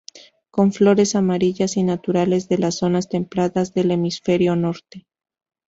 Con flores amarillas y naturales de las zonas templadas del hemisferio norte.